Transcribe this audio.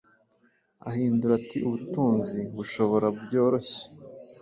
ahindura ati Ubutunzi bushobora byoroshye